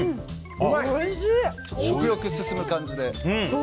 食欲が進む感じで。